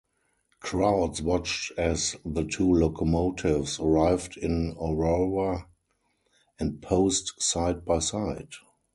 Crowds watched as the two locomotives arrived in Aurora and posed side by side.